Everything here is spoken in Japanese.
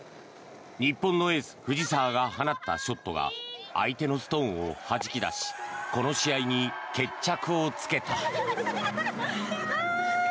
日本のエース、藤澤が放ったショットが相手のストーンをはじき出しこの試合に決着をつけた。